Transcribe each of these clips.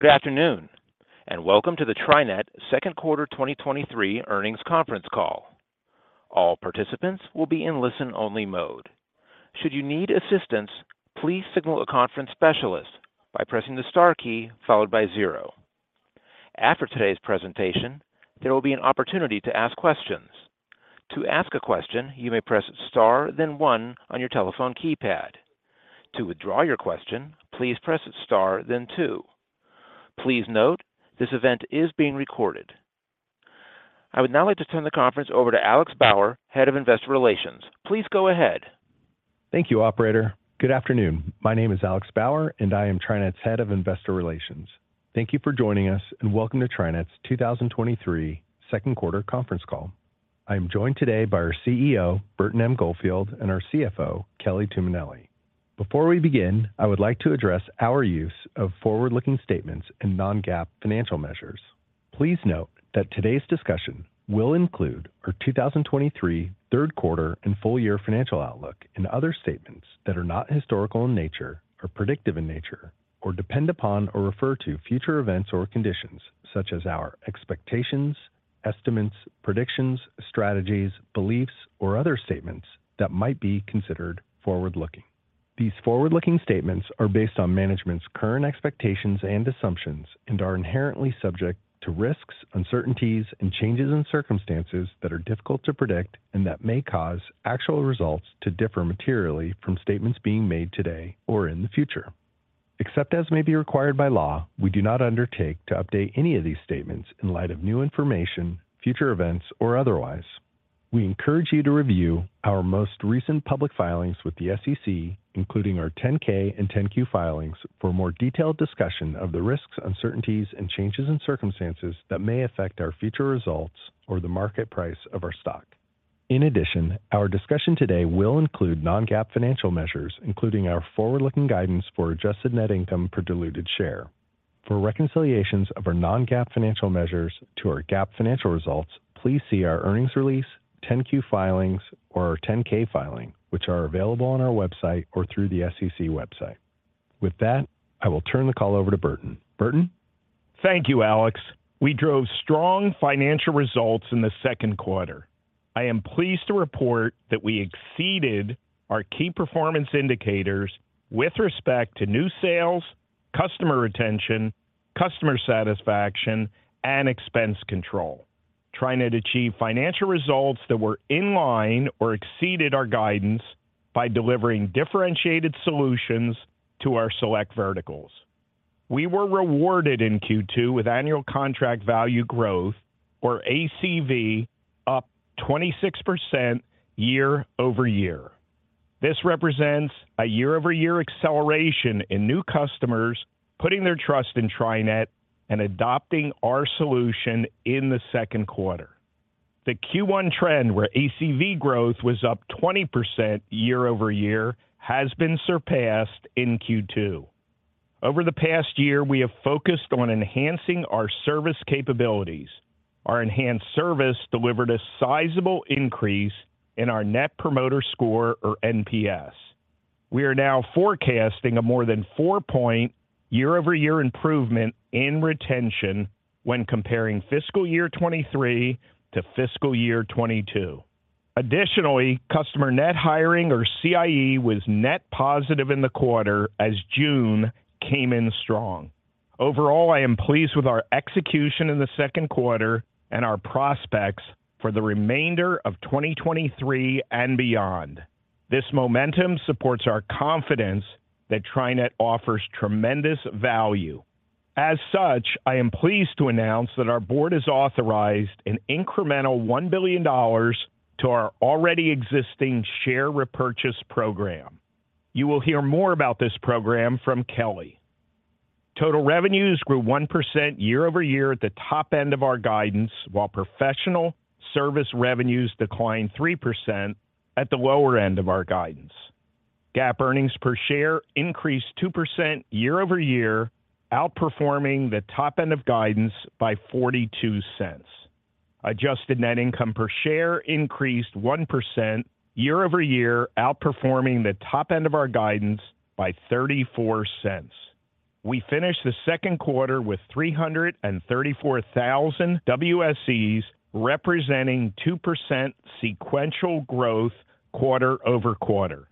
Good afternoon. Welcome to the TriNet Second Quarter 2023 Earnings Conference Call. All participants will be in listen-only mode. Should you need assistance, please signal a conference specialist by pressing the star key followed by zero. After today's presentation, there will be an opportunity to ask questions. To ask a question, you may press star, then one on your telephone keypad. To withdraw your question, please press star, then two. Please note, this event is being recorded. I would now like to turn the conference over to Alex Bauer, Head of Investor Relations. Please go ahead. Thank you, operator. Good afternoon. My name is Alex Bauer, and I am TriNet's Head of Investor Relations. Thank you for joining us, and welcome to TriNet's 2023 second quarter conference call. I am joined today by our CEO, Burton M. Goldfield, and our CFO, Kelly Tuminelli. Before we begin, I would like to address our use of forward-looking statements and non-GAAP financial measures. Please note that today's discussion will include our 2023 third quarter and full year financial outlook and other statements that are not historical in nature or predictive in nature or depend upon or refer to future events or conditions, such as our expectations, estimates, predictions, strategies, beliefs, or other statements that might be considered forward-looking. These forward-looking statements are based on management's current expectations and assumptions and are inherently subject to risks, uncertainties, and changes in circumstances that are difficult to predict and that may cause actual results to differ materially from statements being made today or in the future. Except as may be required by law, we do not undertake to update any of these statements in light of new information, future events, or otherwise. We encourage you to review our most recent public filings with the SEC, including our 10-K and 10-Q filings, for a more detailed discussion of the risks, uncertainties, and changes in circumstances that may affect our future results or the market price of our stock. In addition, our discussion today will include non-GAAP financial measures, including our forward-looking guidance for adjusted net income per diluted share. For reconciliations of our non-GAAP financial measures to our GAAP financial results, please see our earnings release, 10-Q filings or our 10-K filing, which are available on our website or through the SEC website. I will turn the call over to Burton. Burton? Thank you, Alex. We drove strong financial results in the second quarter. I am pleased to report that we exceeded our key performance indicators with respect to new sales, customer retention, customer satisfaction, and expense control. TriNet achieved financial results that were in line or exceeded our guidance by delivering differentiated solutions to our select verticals. We were rewarded in Q2 with annual contract value growth, or ACV, up 26% year-over-year. This represents a year-over-year acceleration in new customers putting their trust in TriNet and adopting our solution in the second quarter. The Q1 trend, where ACV growth was up 20% year-over-year, has been surpassed in Q2. Over the past year, we have focused on enhancing our service capabilities. Our enhanced service delivered a sizable increase in our Net Promoter Score, or NPS. We are now forecasting a more than 4-point year-over-year improvement in retention when comparing fiscal year 2023 to fiscal year 2022. Customer net hiring, or CIE, was net positive in the quarter as June came in strong. Overall, I am pleased with our execution in the second quarter and our prospects for the remainder of 2023 and beyond. This momentum supports our confidence that TriNet offers tremendous value. I am pleased to announce that our board has authorized an incremental $1 billion to our already existing share repurchase program. You will hear more about this program from Kelly. Total revenues grew 1% year over year at the top end of our guidance, while professional service revenues declined 3% at the lower end of our guidance. GAAP earnings per share increased 2% year-over-year, outperforming the top end of guidance by $0.42. Adjusted net income per share increased 1% year-over-year, outperforming the top end of our guidance by $0.34. We finished the second quarter with 334,000 WSEs, representing 2% sequential growth quarter-over-quarter.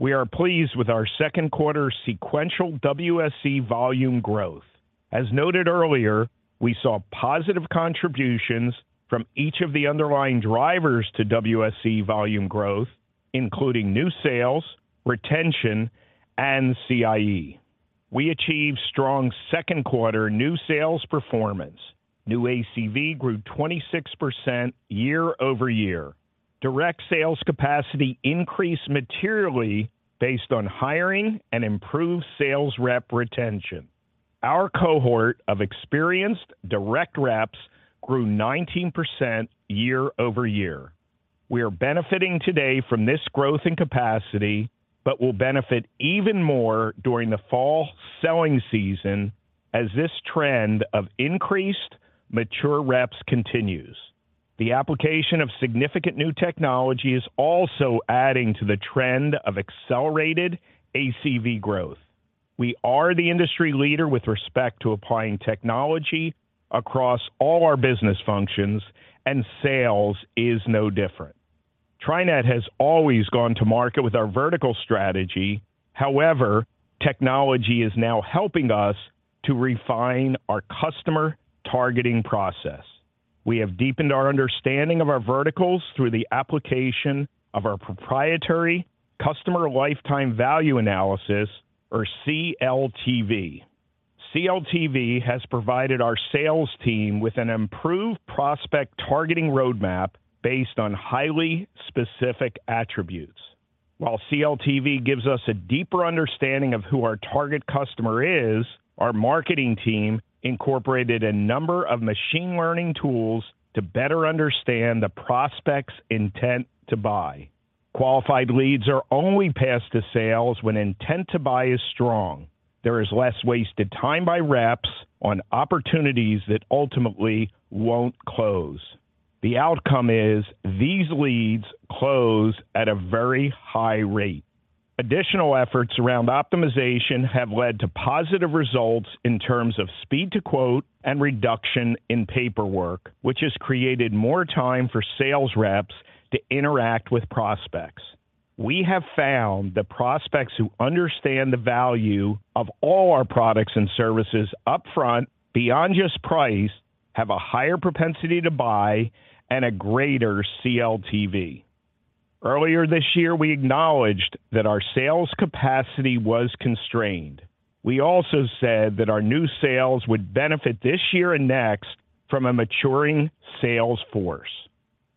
We are pleased with our second quarter sequential WSE volume growth. As noted earlier, we saw positive contributions from each of the underlying drivers to WSE volume growth, including new sales, retention, and CIE. We achieved strong second quarter new sales performance. New ACV grew 26% year-over-year. Direct sales capacity increased materially based on hiring and improved sales rep retention. Our cohort of experienced direct reps grew 19% year-over-year. We are benefiting today from this growth in capacity but will benefit even more during the fall selling season as this trend of increased mature reps continues. The application of significant new technology is also adding to the trend of accelerated ACV growth. We are the industry leader with respect to applying technology across all our business functions, and sales is no different. TriNet has always gone to market with our vertical strategy. However, technology is now helping us to refine our customer targeting process. We have deepened our understanding of our verticals through the application of our proprietary Customer Lifetime Value analysis, or CLTV. CLTV has provided our sales team with an improved prospect targeting roadmap based on highly specific attributes. While CLTV gives us a deeper understanding of who our target customer is, our marketing team incorporated a number of machine learning tools to better understand the prospect's intent to buy. Qualified leads are only passed to sales when intent to buy is strong. There is less wasted time by reps on opportunities that ultimately won't close. The outcome is these leads close at a very high rate. Additional efforts around optimization have led to positive results in terms of speed to quote and reduction in paperwork, which has created more time for sales reps to interact with prospects. We have found that prospects who understand the value of all our products and services upfront, beyond just price, have a higher propensity to buy and a greater CLTV. Earlier this year, we acknowledged that our sales capacity was constrained. We also said that our new sales would benefit this year and next from a maturing sales force.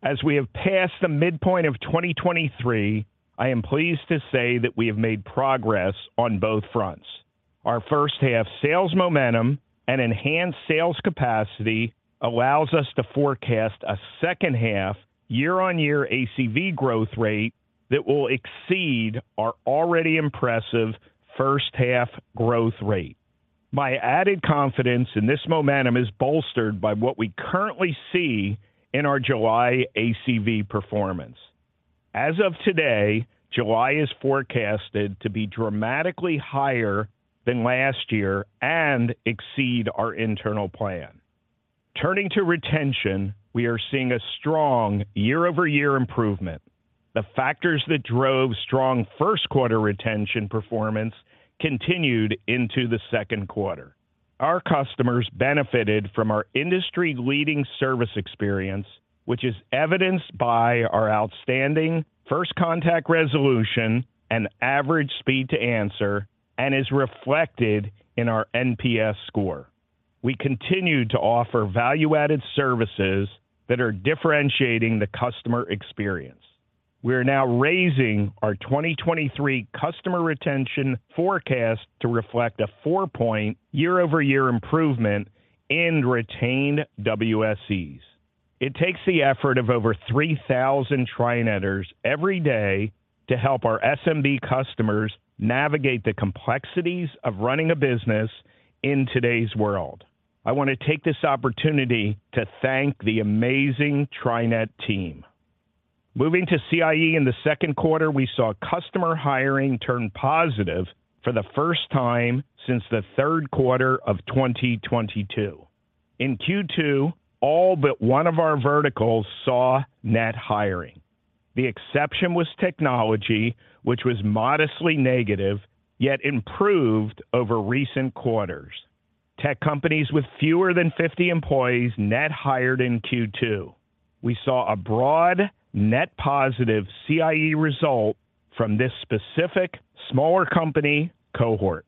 As we have passed the midpoint of 2023, I am pleased to say that we have made progress on both fronts. Our first-half sales momentum and enhanced sales capacity allows us to forecast a second-half year-on-year ACV growth rate that will exceed our already impressive first-half growth rate. My added confidence in this momentum is bolstered by what we currently see in our July ACV performance. As of today, July is forecasted to be dramatically higher than last year and exceed our internal plan. Turning to retention, we are seeing a strong year-over-year improvement. The factors that drove strong first quarter retention performance continued into the second quarter. Our customers benefited from our industry-leading service experience, which is evidenced by our outstanding first contact resolution and average speed to answer and is reflected in our NPS score. We continue to offer value-added services that are differentiating the customer experience. We are now raising our 2023 customer retention forecast to reflect a 4-point year-over-year improvement in retained WSEs. It takes the effort of over 3,000 TriNeters every day to help our SMB customers navigate the complexities of running a business in today's world. I want to take this opportunity to thank the amazing TriNet team. Moving to CIE, in the second quarter, we saw customer hiring turn positive for the first time since the third quarter of 2022. In Q2, all but one of our verticals saw net hiring. The exception was technology, which was modestly negative, yet improved over recent quarters. Tech companies with fewer than 50 employees net hired in Q2. We saw a broad net positive CIE result from this specific smaller company cohort.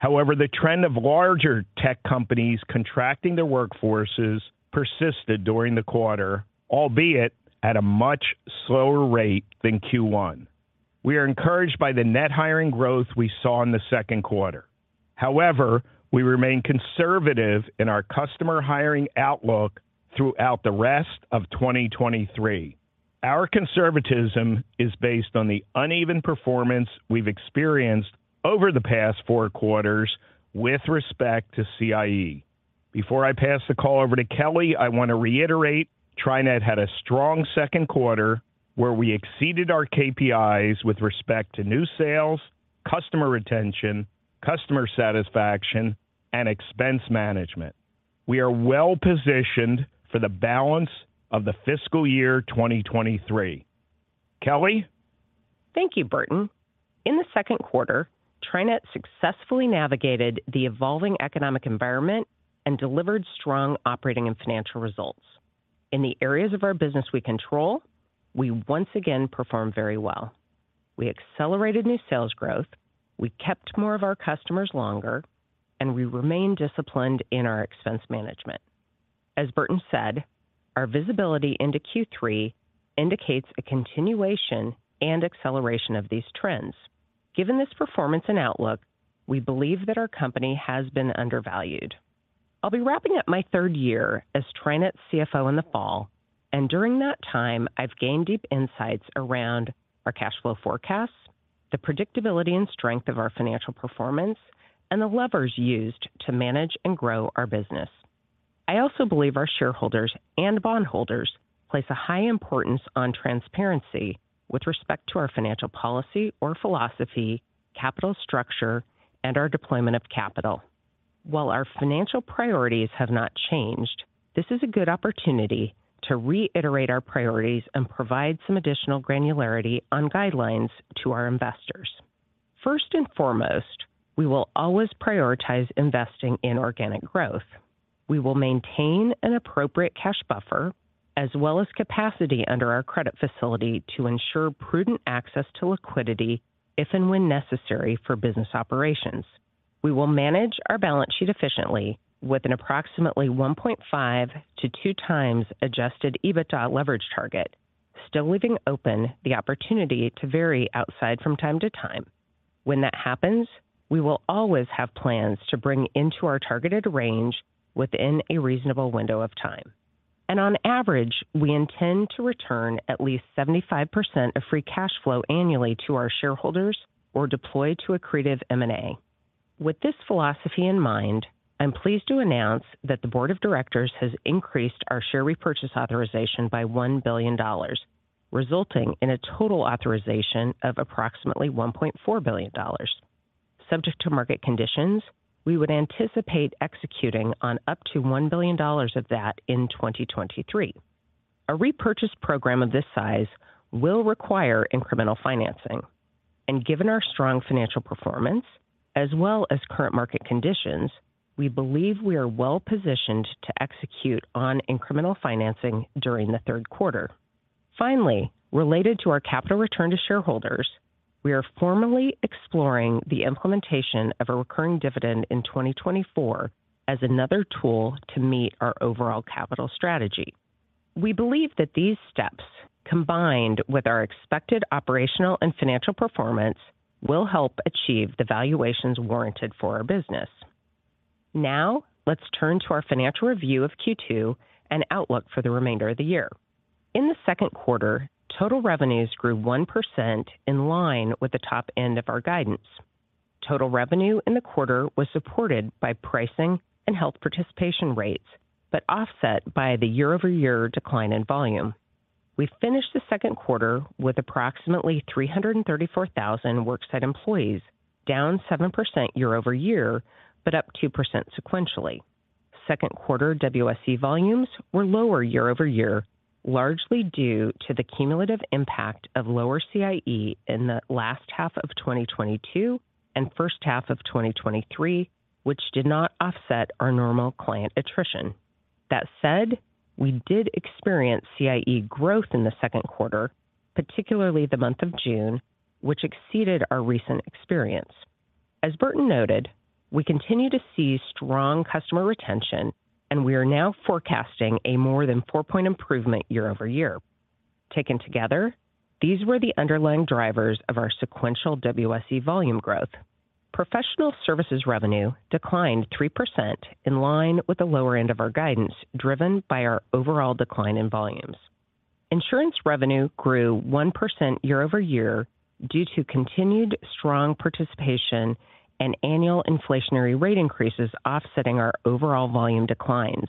The trend of larger tech companies contracting their workforces persisted during the quarter, albeit at a much slower rate than Q1. We are encouraged by the net hiring growth we saw in the second quarter. We remain conservative in our customer hiring outlook throughout the rest of 2023. Our conservatism is based on the uneven performance we've experienced over the past four quarters with respect to CIE. Before I pass the call over to Kelly, I want to reiterate, TriNet had a strong second quarter where we exceeded our KPIs with respect to new sales, customer retention, customer satisfaction, and expense management. We are well positioned for the balance of the fiscal year 2023. Kelly? Thank you, Burton. In the second quarter, TriNet successfully navigated the evolving economic environment and delivered strong operating and financial results. In the areas of our business we control, we once again performed very well. We accelerated new sales growth, we kept more of our customers longer, and we remained disciplined in our expense management. As Burton said, our visibility into Q3 indicates a continuation and acceleration of these trends. Given this performance and outlook, we believe that our company has been undervalued. I'll be wrapping up my third year as TriNet's CFO in the fall, and during that time, I've gained deep insights around our cash flow forecasts, the predictability and strength of our financial performance and the levers used to manage and grow our business. I also believe our shareholders and bondholders place a high importance on transparency with respect to our financial policy or philosophy, capital structure, and our deployment of capital. While our financial priorities have not changed, this is a good opportunity to reiterate our priorities and provide some additional granularity on guidelines to our investors. First and foremost, we will always prioritize investing in organic growth. We will maintain an appropriate cash buffer as well as capacity under our credit facility to ensure prudent access to liquidity if and when necessary for business operations. We will manage our balance sheet efficiently with an approximately 1.5-2 times adjusted EBITDA leverage target, still leaving open the opportunity to vary outside from time to time. When that happens, we will always have plans to bring into our targeted range within a reasonable window of time. On average, we intend to return at least 75% of free cash flow annually to our shareholders or deploy to accretive M&A. With this philosophy in mind, I'm pleased to announce that the board of directors has increased our share repurchase authorization by $1 billion, resulting in a total authorization of approximately $1.4 billion. Subject to market conditions, we would anticipate executing on up to $1 billion of that in 2023. A repurchase program of this size will require incremental financing, and given our strong financial performance as well as current market conditions, we believe we are well positioned to execute on incremental financing during the third quarter. Related to our capital return to shareholders, we are formally exploring the implementation of a recurring dividend in 2024 as another tool to meet our overall capital strategy. We believe that these steps, combined with our expected operational and financial performance, will help achieve the valuations warranted for our business. Now, let's turn to our financial review of Q2 and outlook for the remainder of the year. In the second quarter, total revenues grew 1%, in line with the top end of our guidance. Total revenue in the quarter was supported by pricing and health participation rates but offset by the year-over-year decline in volume. We finished the second quarter with approximately 334,000 worksite employees, down 7% year-over-year but up 2% sequentially. Second quarter WSE volumes were lower year-over-year, largely due to the cumulative impact of lower CIE in the last half of 2022 and first half of 2023, which did not offset our normal client attrition. That said, we did experience CIE growth in the second quarter, particularly in the month of June, which exceeded our recent experience. As Burton noted, we continue to see strong customer retention, and we are now forecasting a more than 4-point improvement year-over-year. Taken together, these were the underlying drivers of our sequential WSE volume growth. Professional services revenue declined 3% in line with the lower end of our guidance, driven by our overall decline in volumes. Insurance revenue grew 1% year-over-year due to continued strong participation and annual inflationary rate increases offsetting our overall volume declines.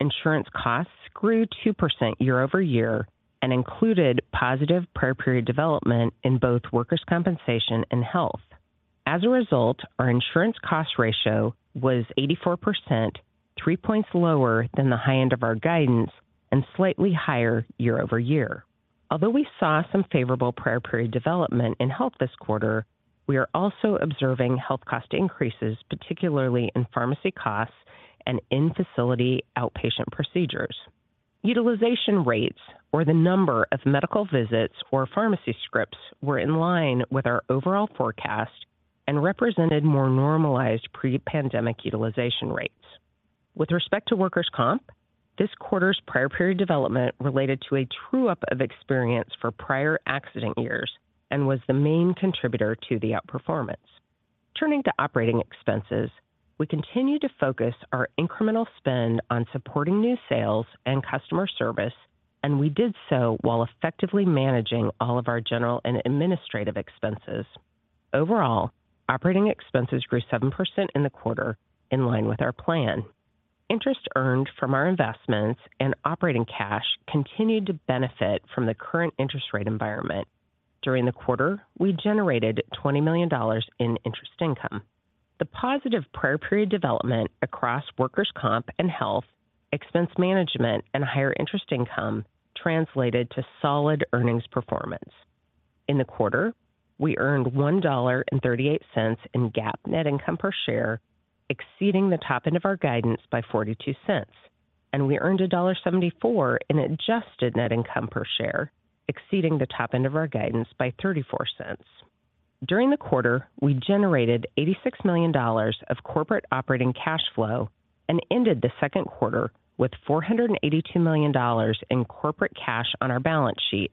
Insurance costs grew 2% year-over-year and included positive prior period development in both workers' compensation and health. As a result, our insurance cost ratio was 84%, three points lower than the high end of our guidance and slightly higher year-over-year. Although we saw some favorable prior period development in health this quarter, we are also observing health cost increases, particularly in pharmacy costs and in-facility outpatient procedures. Utilization rates, or the number of medical visits or pharmacy scripts, were in line with our overall forecast and represented more normalized pre-pandemic utilization rates. With respect to workers' comp, this quarter's prior period development related to a true-up of experience for prior accident years and was the main contributor to the outperformance. Turning to operating expenses, we continue to focus our incremental spend on supporting new sales and customer service, and we did so while effectively managing all of our general and administrative expenses. Overall, operating expenses grew 7% in the quarter, in line with our plan. Interest earned from our investments and operating cash continued to benefit from the current interest rate environment. During the quarter, we generated $20 million in interest income. The positive prior period development across workers' comp and health, expense management, and higher interest income translated to solid earnings performance. In the quarter, we earned $1.38 in GAAP net income per share, exceeding the top end of our guidance by $0.42, and we earned $1.74 in adjusted net income per share, exceeding the top end of our guidance by $0.34. During the quarter, we generated $86 million of corporate operating cash flow and ended the second quarter with $482 million in corporate cash on our balance sheet.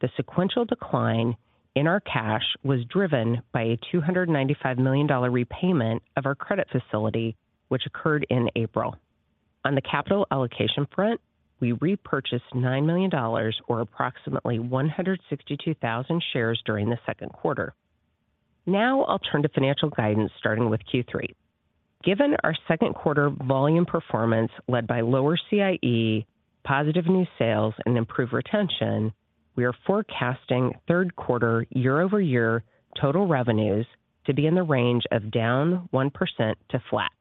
The sequential decline in our cash was driven by a $295 million repayment of our credit facility, which occurred in April. On the capital allocation front, we repurchased $9 million, or approximately 162,000 shares, during the second quarter. I'll turn to financial guidance, starting with Q3. Given our second quarter volume performance, led by lower CIE, positive new sales, and improved retention, we are forecasting third quarter year-over-year total revenues to be in the range of down 1% to flat.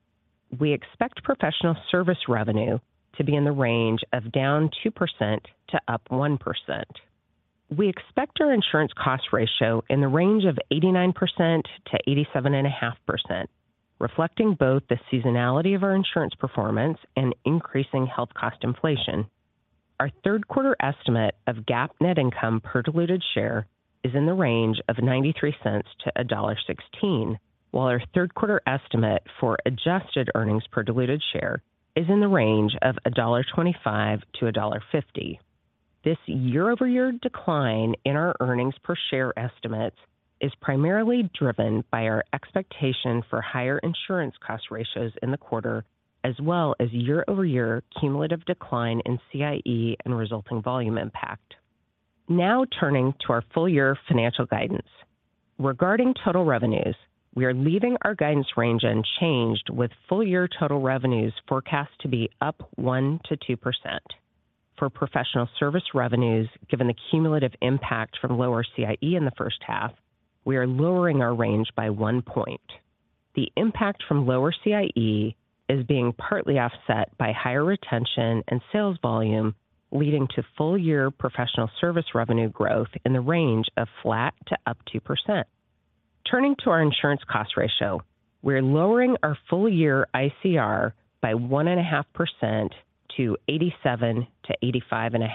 We expect professional service revenue to be in the range of down 2% to up 1%. We expect our insurance cost ratio in the range of 89%-87.5%, reflecting both the seasonality of our insurance performance and increasing health cost inflation. Our third quarter estimate of GAAP net income per diluted share is in the range of $0.93-$1.16, while our third quarter estimate for adjusted earnings per diluted share is in the range of $1.25-$1.50. This year-over-year decline in our earnings per share estimates is primarily driven by our expectation for higher insurance cost ratios in the quarter, as well as year-over-year cumulative decline in CIE and resulting volume impact. Now turning to our full-year financial guidance. Regarding total revenues, we are leaving our guidance range unchanged, with full-year total revenues forecast to be up 1%-2%. For professional service revenues, given the cumulative impact from lower CIE in the first half, we are lowering our range by one point. The impact from lower CIE is being partly offset by higher retention and sales volume, leading to full-year professional service revenue growth in the range of flat to up 2%. Turning to our insurance cost ratio, we're lowering our full-year ICR by 1.5% to 87%-85.5%.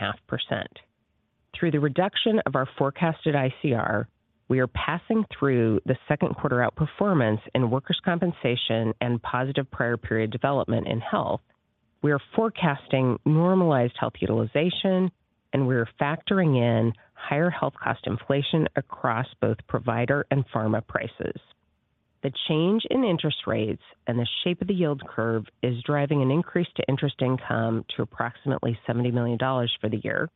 Through the reduction of our forecasted ICR, we are passing through the second quarter outperformance in workers' compensation and positive prior period development in health. We are forecasting normalized health utilization, and we are factoring in higher health cost inflation across both provider and pharma prices. The change in interest rates and the shape of the yield curve is driving an increase to interest income to approximately $70 million for the year.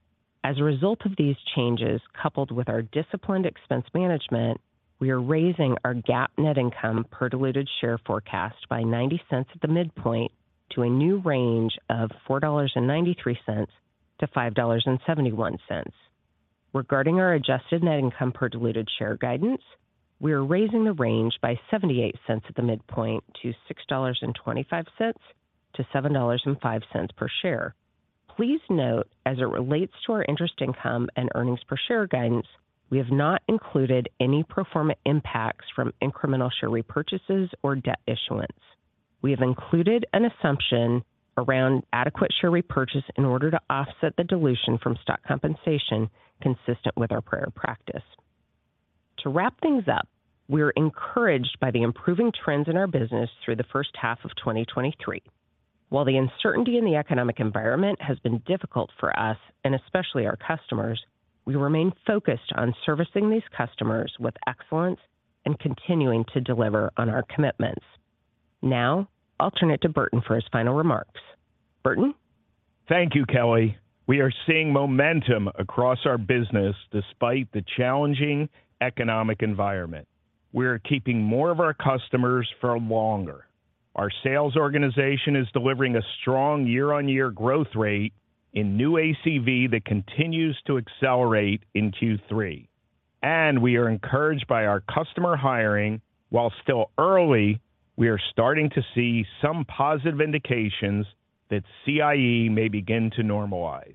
As a result of these changes, coupled with our disciplined expense management, we are raising our GAAP net income per diluted share forecast by $0.90 at the midpoint to a new range of $4.93-$5.71. Regarding our adjusted net income per diluted share guidance, we are raising the range by $0.78 at the midpoint to $6.25-$7.05 per share. Please note, as it relates to our interest, income, and earnings per share guidance, we have not included any pro forma impacts from incremental share repurchases or debt issuance. We have included an assumption around adequate share repurchase in order to offset the dilution from stock compensation, consistent with our prior practice. To wrap things up, we are encouraged by the improving trends in our business through the first half of 2023. While the uncertainty in the economic environment has been difficult for us and especially our customers, we remain focused on servicing these customers with excellence and continuing to deliver on our commitments. Now I'll turn it to Burton for his final remarks. Burton? Thank you, Kelly. We are seeing momentum across our business despite the challenging economic environment. We are keeping more of our customers for longer. Our sales organization is delivering a strong year-on-year growth rate in new ACV that continues to accelerate in Q3. We are encouraged by our customer hiring. While still early, we are starting to see some positive indications that CIE may begin to normalize.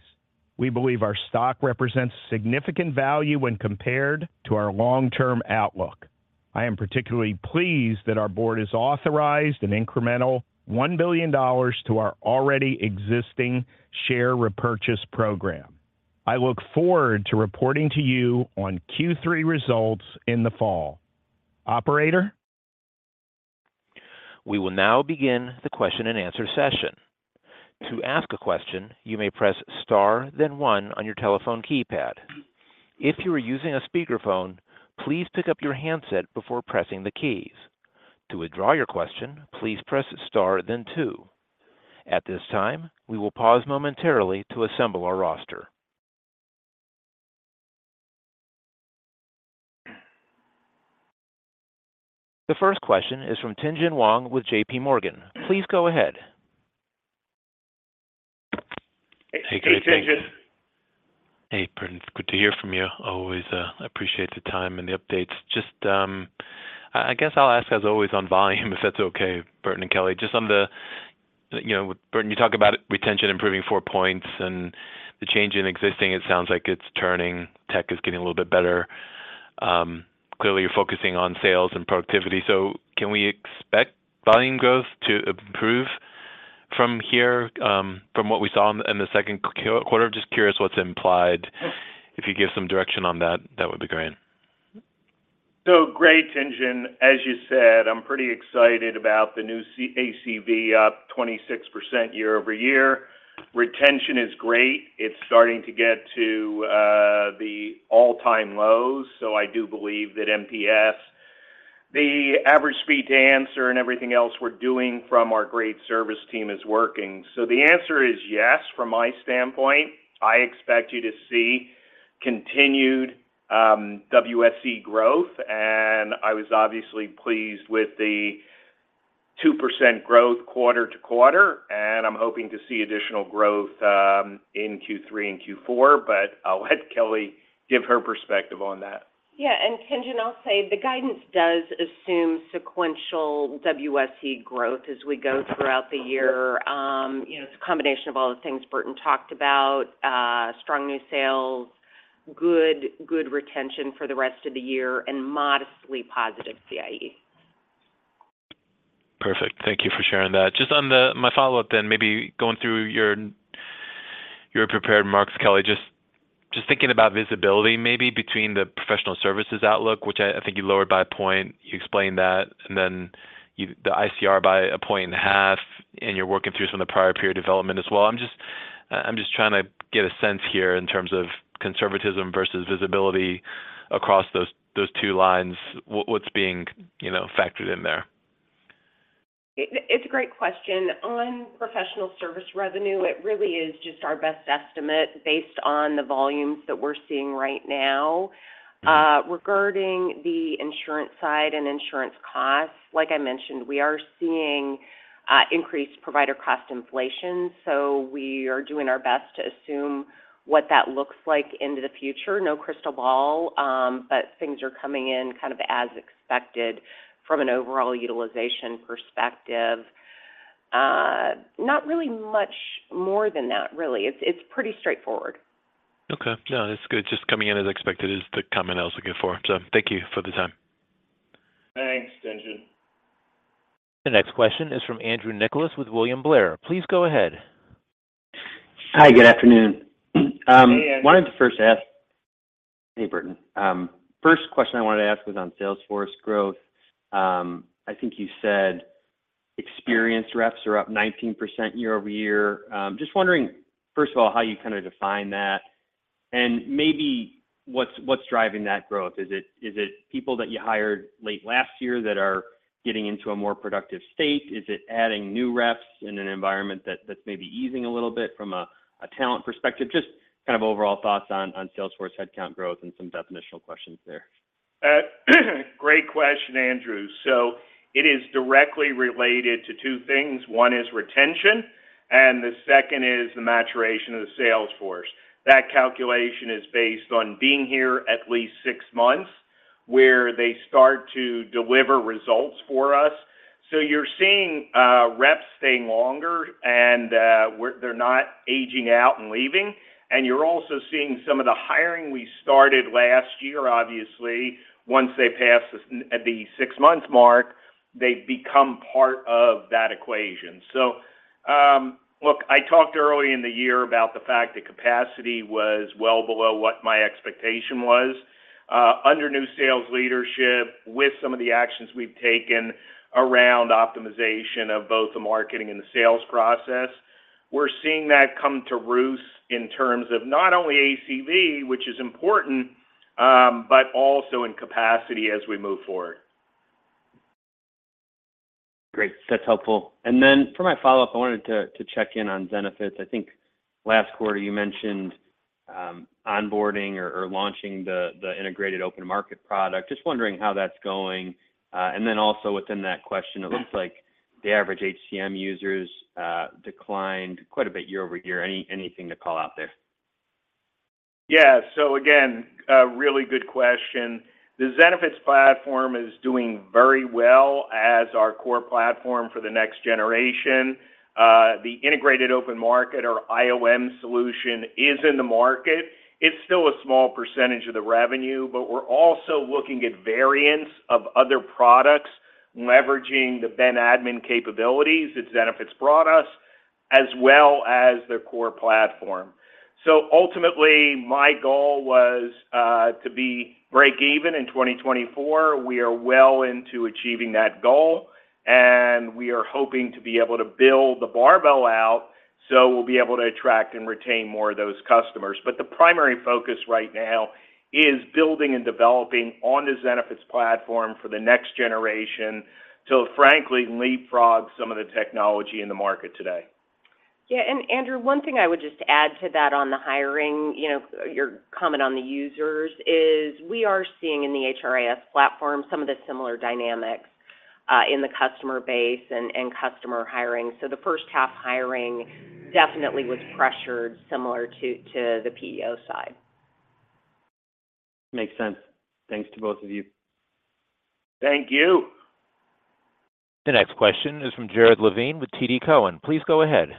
We believe our stock represents significant value when compared to our long-term outlook. I am particularly pleased that our board has authorized an incremental $1 billion to our already existing share repurchase program. I look forward to reporting to you on Q3 results in the fall. Operator? We will now begin the question-and-answer session. To ask a question, you may press star, then one on your telephone keypad. If you are using a speakerphone, please pick up your handset before pressing the keys. To withdraw your question, please press star then two. At this time, we will pause momentarily to assemble our roster. The first question is from Tien-Tsin Huang with JPMorgan. Please go ahead. Hey, Tien-Tsin. Hey, Burton, it's good to hear from you. Always appreciate the time and the updates. Just, I guess I'll ask, as always, on volume, if that's okay, Burton and Kelly. You know, Burton, you talk about retention improving four points and the change in existing; it sounds like it's turning. Tech is getting a little bit better. Clearly you're focusing on sales and productivity. Can we expect volume growth to improve from here, from what we saw in the second quarter? I'm just curious what's implied. If you give some direction on that, that would be great. Great, Tien-Tsin. As you said, I'm pretty excited about the new ACV, up 26% year-over-year. Retention is great. It's starting to get to the all-time lows. I do believe that NPS. The average speed to answer and everything else we're doing from our great service team is working. The answer is yes, from my standpoint. I expect you to see continued WSE growth, and I was obviously pleased with the 2% growth quarter-to-quarter, and I'm hoping to see additional growth in Q3 and Q4, but I'll let Kelly give her perspective on that. Tien-Tsin, I'll say the guidance does assume sequential WSE growth as we go throughout the year. You know, it's a combination of all the things Burton talked about: strong new sales, good retention for the rest of the year, and modestly positive CIE. Perfect. Thank you for sharing that. Just on my follow-up then, maybe going through your prepared marks, Kelly, just thinking about visibility, maybe between the professional services outlook, which I think you lowered by one point, you explained that, and then the ICR by 1.5 points, and you're working through some of the prior period development as well. I'm just trying to get a sense here in terms of conservatism versus visibility across those two lines. What's being, you know, factored in there? It's a great question. On professional service revenue, it really is just our best estimate based on the volumes that we're seeing right now. Regarding the insurance side and insurance costs, like I mentioned, we are seeing increased provider cost inflation; we are doing our best to assume what that looks like in the future. No crystal ball, but things are coming in kind of as expected from an overall utilization perspective. Not really much more than that, really. It's pretty straightforward. Okay. No, it's good. Just coming in as expected is the comment I was looking for. Thank you for the time. Thanks, Tien-Tsin. The next question is from Andrew Nicholas with William Blair. Please go ahead. Hi, good afternoon. Hey, Andrew. I wanted to first ask, Hey, Burton. First question I wanted to ask was on sales force growth. I think you said experienced reps are up 19% year-over-year. Just wondering, first of all, how you kinda define that, and maybe what's driving that growth? Is it people that you hired late last year that are getting into a more productive state? Is it adding new reps in an environment that's maybe easing a little bit from a talent perspective? Just some kind of overall thoughts on Salesforce headcount growth and some definitional questions there. Great question, Andrew. It is directly related to two things. One is retention, and the second is the maturation of the sales force. That calculation is based on being here at least six months, where they start to deliver results for us. You're seeing reps staying longer, and they're not aging out and leaving, and you're also seeing some of the hiring we started last year; obviously, once they pass the six-month mark, they become part of that equation. Look, I talked early in the year about the fact that capacity was well below what my expectation was. Under new sales leadership, with some of the actions we've taken around optimization of both the marketing and the sales process, we're seeing that come to roost in terms of not only ACV, which is important, but also in capacity as we move forward. Great. That's helpful. For my follow-up, I wanted to check in on Zenefits. I think last quarter you mentioned onboarding or launching the Integrated Open Market product. Just wondering how that's going. Also within that question, it looks like the average HCM users declined quite a bit year-over-year. Anything to call out there? Again, a really good question. The Zenefits platform is doing very well as our core platform for the next generation. The integrated open market, or IOM solution, is in the market. It's still a small % of the revenue, but we're also looking at variants of other products, leveraging the Ben admin capabilities, its benefits brought us, as well as their core platform. Ultimately, my goal was to be break even in 2024. We are well into achieving that goal, and we are hoping to be able to build the barbell out, so we'll be able to attract and retain more of those customers. The primary focus right now is building and developing on the Zenefits platform for the next generation to, frankly, leapfrog some of the technology in the market today. Yeah, Andrew, one thing I would just add to that on the hiring, you know, your comment on the users, is we are seeing in the HRIS platform some of the similar dynamics in the customer base and customer hiring. The first-half hiring definitely was pressured, similar to the PEO side. Makes sense. Thanks to both of you. Thank you. The next question is from Jared Levine with TD Cowen. Please go ahead.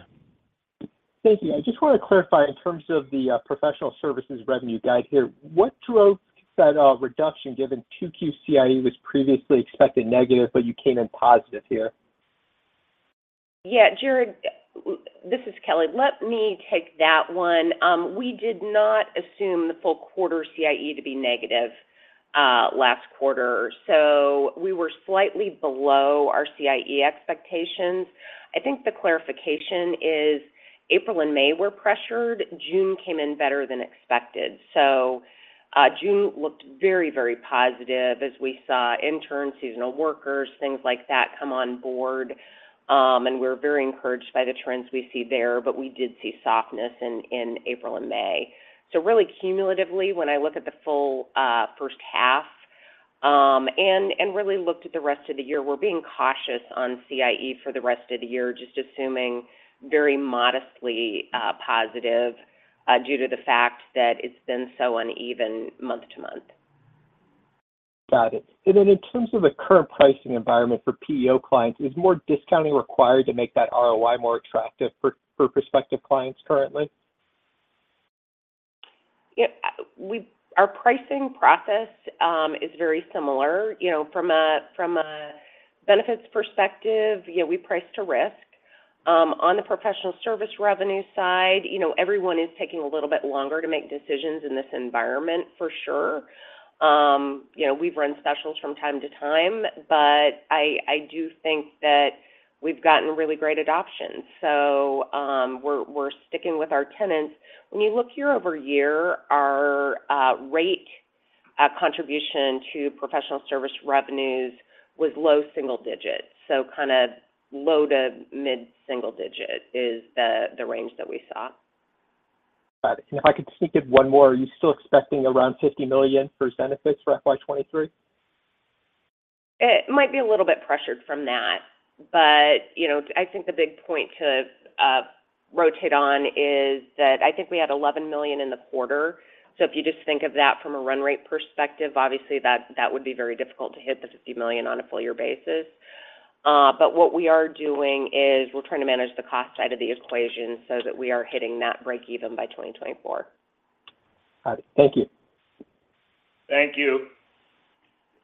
Thank you. I just want to clarify in terms of the professional services revenue guide here, what drove that reduction, given 2Q CIE was previously expected negative, but you came in positive here? Yeah, Jared, this is Kelly. Let me take that one. We did not assume the full quarter CIE to be negative last quarter. We were slightly below our CIE expectations. I think the clarification is April and May were pressured. June came in better than expected. June looked very, very positive as we saw interns, seasonal workers, and things like that come on board. We're very encouraged by the trends we see there, but we did see softness in April and May. Really cumulatively, when I look at the full first half and really look at the rest of the year, we're being cautious on CIE for the rest of the year, just assuming very modestly positive due to the fact that it's been so uneven month to month. Got it. Then in terms of the current pricing environment for PEO clients, is more discounting required to make that ROI more attractive for prospective clients currently? Yeah, our pricing process is very similar. You know, from a benefits perspective, yeah, we price to risk. On the professional service revenue side, you know, everyone is taking a little bit longer to make decisions in this environment for sure. You know, we've run specials from time to time, but I do think that we've gotten really great adoption. We're sticking with our tenants. When you look year-over-year, our rate contribution to professional service revenues was low single digits. Kind of low to mid-single digit is the range that we saw. Got it. If I could sneak in one more, are you still expecting around $50 million for benefits for FY 2023? It might be a little bit pressured from that, but, you know, I think the big point to rotate on is that I think we had $11 million in the quarter. If you just think of that from a run rate perspective, obviously, that would be very difficult to hit the $50 million on a full-year basis. What we are doing is we're trying to manage the cost side of the equation so that we are hitting that break-even by 2024. Got it. Thank you. Thank you.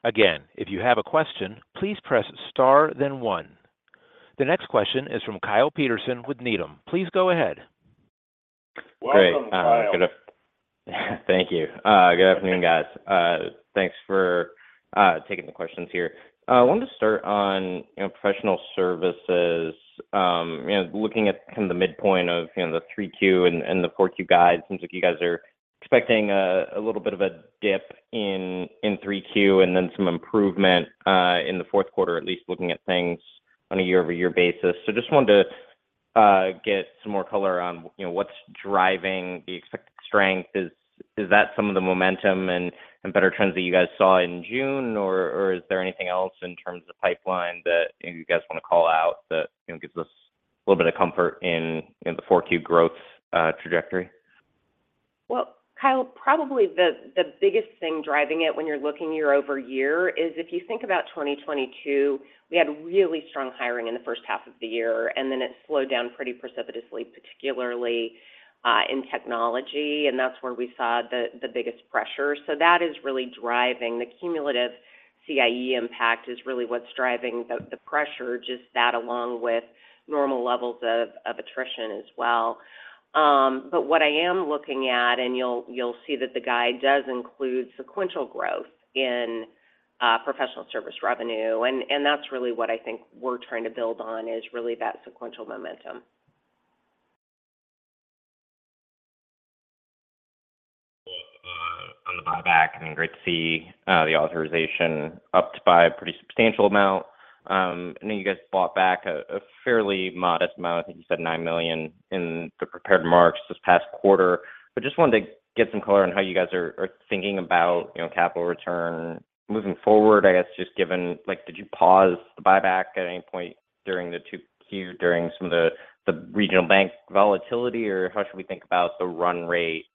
Again, if you have a question, please press star, then one. The next question is from Kyle Peterson with Needham. Please go ahead. Welcome, Kyle. Thank you. Good afternoon, guys. Thanks for taking the questions here. I wanted to start on, you know, professional services. You know, looking at kind of the midpoint of, you know, the 3Q and the 4Q guide, it seems like you guys are expecting a little bit of a dip in 3Q and then some improvement in the fourth quarter, at least looking at things on a year-over-year basis. I just wanted to get some more color on, you know, what's driving the expected strength. Is, is that some of the momentum and better trends that you guys saw in June, or is there anything else in terms of pipeline that you guys want to call out that, you know, gives us a little bit of comfort in the 4Q growth trajectory? Well, Kyle, probably the biggest thing driving it when you're looking year-over-year is if you think about 2022, we had really strong hiring in the first half of the year, then it slowed down pretty precipitously, particularly in technology, and that's where we saw the biggest pressure. That is really driving. The cumulative CIE impact is really what's driving the pressure, just that along with normal levels of attrition as well. What I am looking at, and you'll see that the guide does include sequential growth in professional service revenue, and that's really what I think we're trying to build on, is really that sequential momentum. On the buyback, and great to see the authorization upped by a pretty substantial amount. I know you guys bought back a fairly modest amount, I think you said $9 million in the prepared marks this past quarter, but I just wanted to get some color on how you guys are thinking about, you know, capital return. Moving forward, I guess just given, like, did you pause the buyback at any point during the 2Q, during some of the regional bank volatility? How should we think about the run rate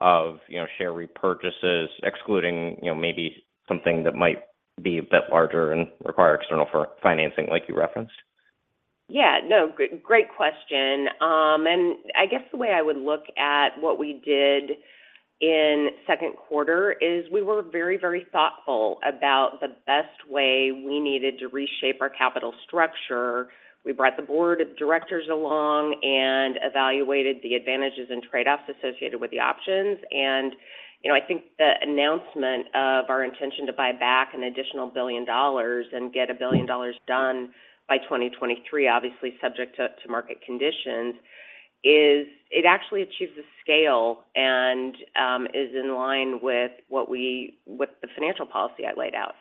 of, you know, share repurchases, excluding, you know, maybe something that might be a bit larger and require external financing, like you referenced? Yeah, no, great question. I guess the way I would look at what we did in second quarter is we were very, very thoughtful about the best way we needed to reshape our capital structure. We brought the board of directors along and evaluated the advantages and trade-offs associated with the options. You know, I think the announcement of our intention to buy back an additional $1 billion and get $1 billion done by 2023, obviously subject to market conditions, is it actually achieves a scale and is in line with what the financial policy I laid out.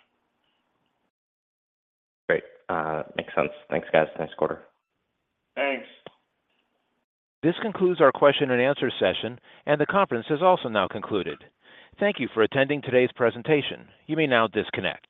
Great. Makes sense. Thanks, guys. Nice quarter. Thanks. This concludes our question and answer session. The conference is also now concluded. Thank you for attending today's presentation. You may now disconnect.